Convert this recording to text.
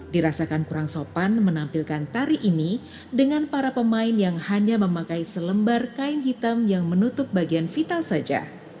dirasakan kurang sopan menampilkan tari ini dengan para pemain yang hanya memakai selembar kain hitam yang menutup bagian vital saja